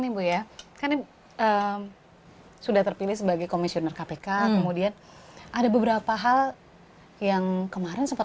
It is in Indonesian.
nih bu ya kan sudah terpilih sebagai komisioner kpk kemudian ada beberapa hal yang kemarin sempat